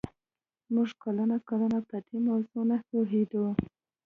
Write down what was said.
موږ کلونه کلونه په دې موضوع نه پوهېدو